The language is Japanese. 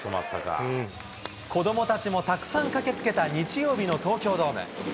子どもたちもたくさん駆けつけた日曜日の東京ドーム。